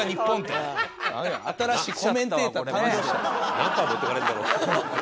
何パー持っていかれるんだろう？